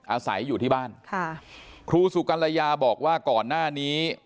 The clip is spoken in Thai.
อาศัยอยู่ที่บ้านค่ะครูสุกัลยาบอกว่าก่อนหน้านี้